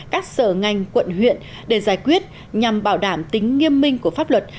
các sở ngành quận huyện để giải quyết nhằm bảo đảm tính nghiêm minh của pháp luật